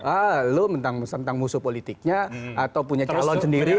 ah lu tentang musuh politiknya atau punya calon sendiri